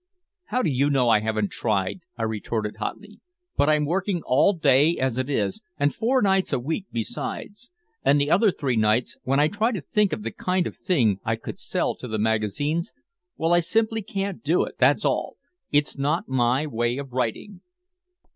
"How do you know I haven't tried?" I retorted hotly. "But I'm working all day as it is and four nights a week besides. And the other three nights, when I try to think of the kind of thing that I could sell to the magazines well, I simply can't do it, that's all it's not my way of writing!"